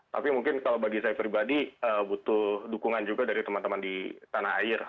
tapi mungkin kalau bagi saya pribadi butuh dukungan juga dari teman teman di tanah air